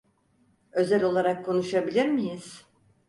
Özel olarak konuşabilir miyiz?